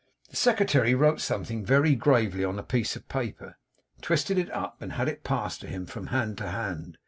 The Secretary wrote something, very gravely, on a piece of paper, twisted it up, and had it passed to him from hand to hand.